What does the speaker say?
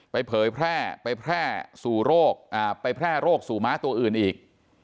เผยแพร่ไปแพร่สู่โรคไปแพร่โรคสู่ม้าตัวอื่นอีก